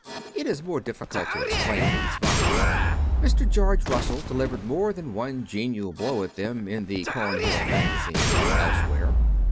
It is more difficult to explain these vows. Mr. George Russell delivered more than one genial blow at them in the "Cornhill Magazine" and elsewhere.